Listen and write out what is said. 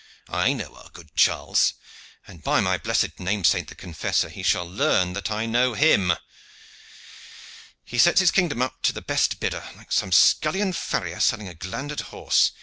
I know our good Charles, and, by my blessed name saint the Confessor, he shall learn that I know him. He sets his kingdom up to the best bidder, like some scullion farrier selling a glandered horse.